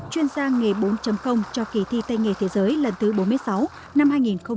chuyên gia nghề bốn cho kỳ thi tây nghề thế giới lần thứ bốn mươi sáu năm hai nghìn hai mươi